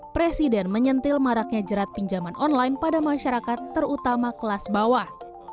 presiden menyentil maraknya jerat pinjaman online pada masyarakat terutama kelas bawah